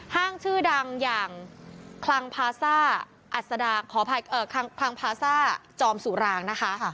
ห้างชื่อดังอย่างคลังพลาซ่าจอมสุรางนะคะ